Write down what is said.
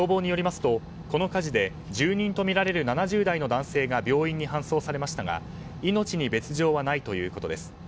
この火事で住人とみられる７０代の男性が病院に搬送されましたが命に別条はないということです。